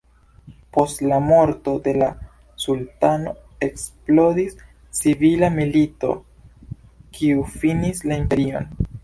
Post la morto de la sultano eksplodis civila milito kiu finis la imperion.